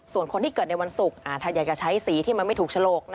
ส่วนคนที่เกิดในวันศุกร์ถ้าอยากจะใช้สีที่มันไม่ถูกฉลก